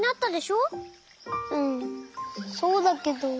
うんそうだけど。